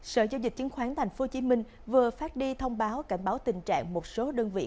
sở giao dịch chứng khoán tp hcm vừa phát đi thông báo cảnh báo tình trạng một số đơn vị